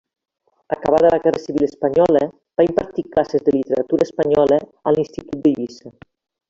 Acabada la guerra civil espanyola, va impartir classes de Literatura Espanyola a l'institut d'Eivissa.